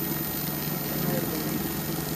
Sistema de Promedios.